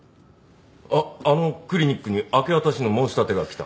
ああのクリニックに明け渡しの申し立てが来た？